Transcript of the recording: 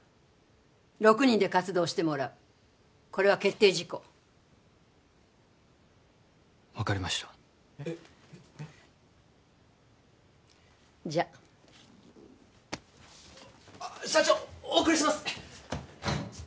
６人で活動してもらうこれは決定事項分かりましたえっじゃっ社長お送りします